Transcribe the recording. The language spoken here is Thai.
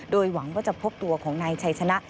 โดยหวังว่าจะพบตัวของนายชัยชนะ